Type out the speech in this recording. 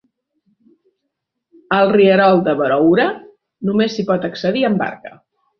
Al rierol de Berowra només s'hi pot accedir amb barca.